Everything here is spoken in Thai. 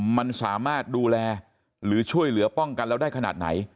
มันสามารถดูแลหรือช่วยเหลือป้องกันเราได้ขนาดไหน